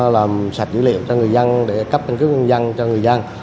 làm sạch dữ liệu cho người dân để cấp căn cước công dân cho người dân